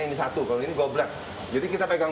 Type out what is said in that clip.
ini satu kalau ini goblet jadi kita pegang